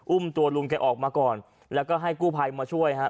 ตัวลุงแกออกมาก่อนแล้วก็ให้กู้ภัยมาช่วยฮะ